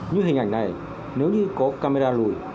như hình ảnh này nếu như có camera lùi